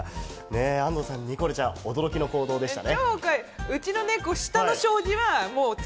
安藤さん、にこるちゃん、驚きの行動でしたね。